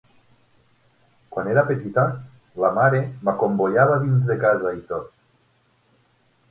Quan era petita, la mare m'acomboiava dins de casa i tot.